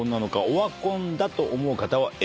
オワコンだと思う方はＡ。